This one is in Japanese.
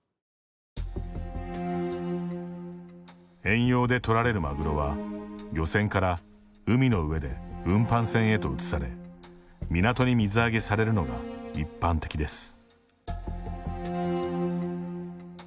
遠洋で取られるマグロは漁船から海の上で運搬船へと移され港に水揚げされるのが一般的です。